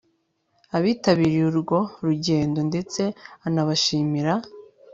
abitabiriye urwo rugendo ndetse anabashimira